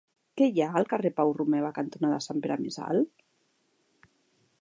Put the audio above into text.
Què hi ha al carrer Pau Romeva cantonada Sant Pere Més Alt?